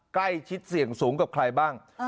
ใกล้ชิดเสี่ยงสูงกับใครบ้าง